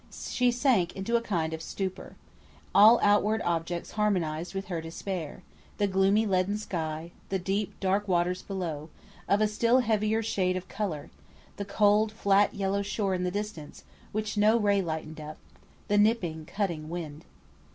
She sank into a kind of stupor. All outward objects harmonised with her despair. The gloomy leaden sky, the deep, dark waters below, of a still heavier shade of colour, the cold, flat yellow shore in the distance, which no ray lightened up, the nipping, cutting wind.